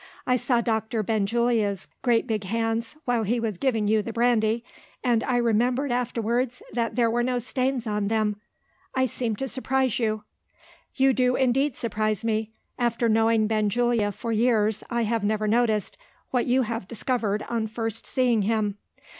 I saw Doctor Benjulia's great big hands, while he was giving you the brandy and I remembered afterwards that there were no stains on them. I seem to surprise you." "You do indeed surprise me. After knowing Benjulia for years, I have never noticed, what you have discovered on first seeing him."